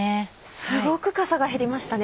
すごくかさが減りましたね。